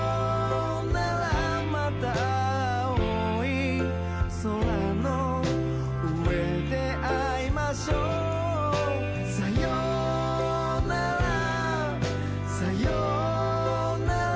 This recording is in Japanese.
また青い空の上で逢いましょうさようならさようなら